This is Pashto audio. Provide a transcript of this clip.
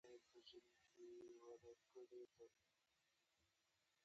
کنګل د دوه اوجونو دوره هم درلوده.